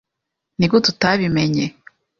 Nigute utabimenye?